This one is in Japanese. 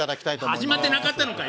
始まってなかったのかよ！